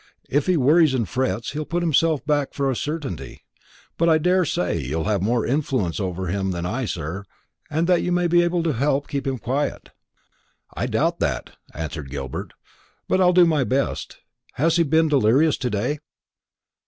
If he worries and frets, he'll put himself back for a certainty; but I daresay you'll have more influence over him than I, sir, and that you may be able to keep him quiet." "I doubt that," answered Gilbert; "but I'll do my best. Has he been delirious to day?"